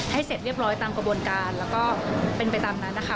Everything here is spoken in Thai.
เสร็จเรียบร้อยตามกระบวนการแล้วก็เป็นไปตามนั้นนะคะ